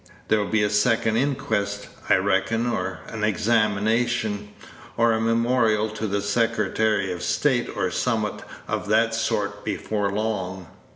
There'll be a second inquest, I reckon, or a examination, or a memorial to the Secretary of State, or summat o' that sort, before long."